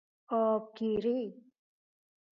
آبگیری